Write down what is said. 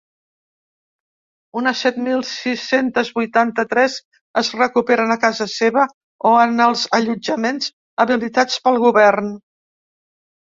Unes set mil sis-cents vuitanta-tres es recuperen a casa seva o en els allotjaments habilitats pel govern.